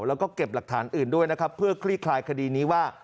แล้วก็เก็บหลักฐานอื่นด้วยนะครับเพื่อคลี่คลายคดีนี้ว่า